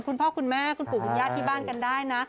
คุณพ่อคุณแม่คุณปู่คุณย่าที่บ้านกันได้นะ